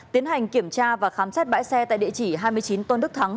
tiến hành kiểm tra và khám xét bãi xe tại địa chỉ hai mươi chín tôn đức thắng